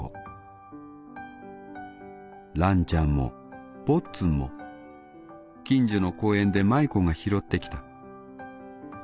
らんちゃんもぼっつんも近所の公園で舞子が拾ってきた。